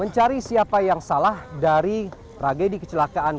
mencari siapa yang salah dari tragedi kecelakaan